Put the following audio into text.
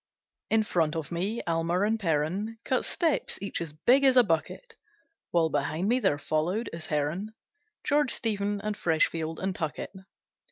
In front of me Almer and Perren Cut steps, each as big as a bucket; While behind me there followed, as Herren, George, Stephen, and Freshfield, and Tuckett.